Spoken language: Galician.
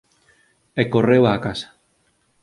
E correu á casa.